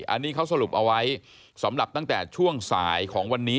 อันนี้เขาสรุปเอาไว้สำหรับตั้งแต่ช่วงสายของวันนี้